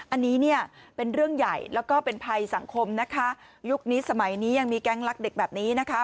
อันนี้เนี่ยเป็นเรื่องใหญ่แล้วก็เป็นภัยสังคมนะคะยุคนี้สมัยนี้ยังมีแก๊งรักเด็กแบบนี้นะคะ